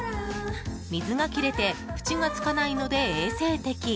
水が切れて縁がつかないので衛生的。